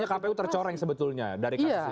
artinya kpu tercoreng sebetulnya dari kasus ini